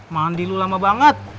mandi lo lama banget